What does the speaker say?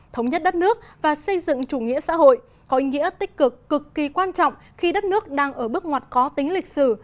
thống nhất đất nước và xây dựng chủ nghĩa xã hội có ý nghĩa tích cực cực kỳ quan trọng khi đất nước đang ở bước ngoặt có tính lịch sử